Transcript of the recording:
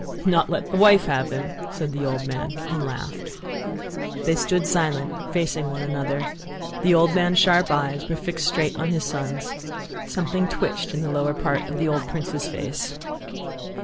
"Not let the wife have him?" said the old man, and laughed. They stood silent, facing one another. The old man's sharp eyes were fixed straight on his son's. Something twitched in the lower part of the old prince's face.